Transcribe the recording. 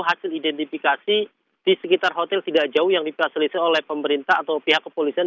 hasil identifikasi di sekitar hotel tidak jauh yang difasilitasi oleh pemerintah atau pihak kepolisian